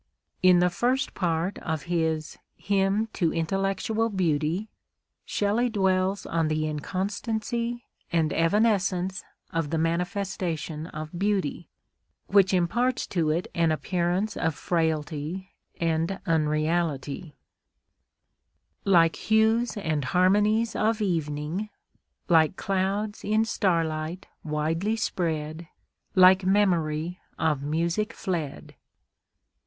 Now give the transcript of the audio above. In the first part of his "Hymn to Intellectual Beauty" Shelley dwells on the inconstancy and evanescence of the manifestation of beauty, which imparts to it an appearance of frailty and unreality: Like hues and harmonies of evening, Like clouds in starlight widely spread, Like memory of music fled.